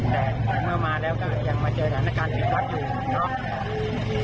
แต่หลังเมื่อมาแล้วก็ยังมาเจอฐานการณ์เกียรติวัฒน์อยู่